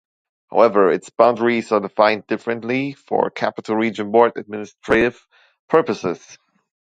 However, its boundaries are defined differently for Capital Region Board administrative purposes.